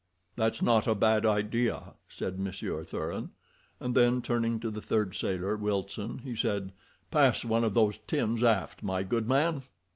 "That's not a bad idea," said Monsieur Thuran, and then, turning to the third sailor, Wilson, he said: "Pass one of those tins aft, my good man."